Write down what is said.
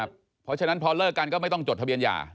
เพราะฉะนั้นพอเลิกกันก็ไม่ต้องจดทะเบียนหย่า